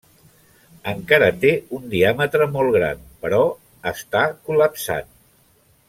Encara té un diàmetre molt gran, però està col·lapsant.